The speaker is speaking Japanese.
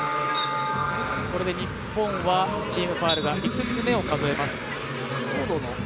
これで日本はチームファウルが５つ目を数えます。